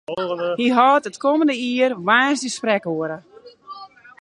Hy hâldt it kommende jier op woansdei sprekoere.